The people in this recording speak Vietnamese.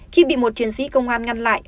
khi bị một chiến sĩ công an ngăn lại